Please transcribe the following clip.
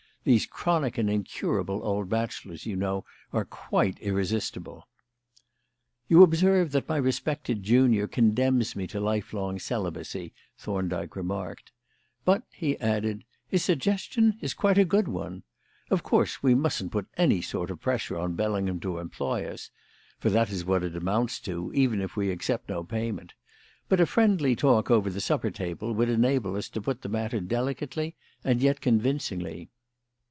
These chronic and incurable old bachelors, you know, are quite irresistible." "You observe that my respected junior condemns me to lifelong celibacy," Thorndyke remarked. "But," he added, "his suggestion is quite a good one. Of course, we mustn't put any sort of pressure on Bellingham to employ us for that is what it amounts to, even if we accept no payment but a friendly talk over the supper table would enable us to put the matter delicately and yet convincingly."